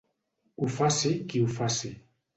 Ho faci qui ho faci.